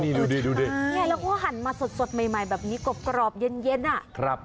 นี่ดูดิเนี่ยแล้วก็หั่นมาสดใหม่แบบนี้กรอบเย็นอ่ะ